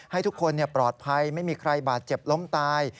ให้ทุกคนปลอดภัยไม่มีใครบาดเจ็บล้มตาย